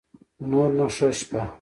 نور نو شه شپه